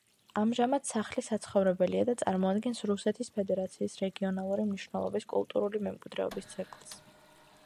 ამჟამად სახლი საცხოვრებელია და წარმოადგენს რუსეთის ფედერაციის რეგიონალური მნიშვნელობის კულტურული მემკვიდრეობის ძეგლს.